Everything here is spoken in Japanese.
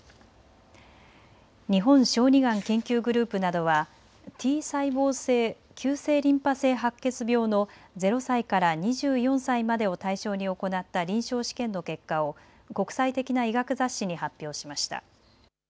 日本小児がん研究グループなどはＴ細胞性急性リンパ性白血病の０歳から２４歳までを対象に行った臨床試験の結果を国際的な医学雑誌に発表しました。